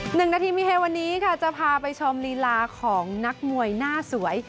หนึ่งนาทีมีเฮวันนี้ค่ะจะพาไปชมลีลาของนักมวยหน้าสวย